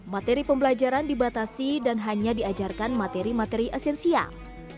materi pembelajaran dibatasi dan hanya diajarkan materi materi esensial